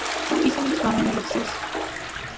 ისინიც სვამენ ელექსირს.